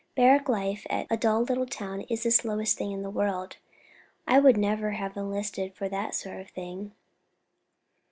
"Barrack life at a dull little town is the slowest thing in the world. I would never have enlisted for that sort of thing."